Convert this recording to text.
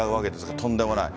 とんでもない。